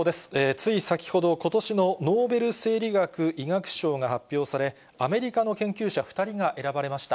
つい先ほど、ことしのノーベル生理学・医学賞が発表され、アメリカの研究者２人が選ばれました。